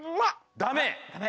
ダメ。